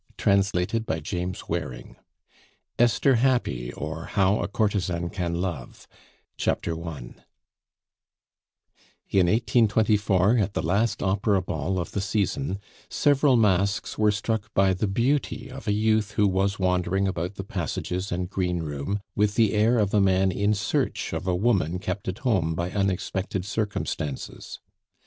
July 1838. SCENES FROM A COURTESAN'S LIFE ESTHER HAPPY; OR, HOW A COURTESAN CAN LOVE In 1824, at the last opera ball of the season, several masks were struck by the beauty of a youth who was wandering about the passages and greenroom with the air of a man in search of a woman kept at home by unexpected circumstances.